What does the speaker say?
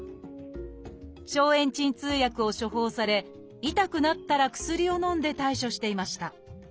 消炎鎮痛薬を処方され痛くなったら薬をのんで対処していました。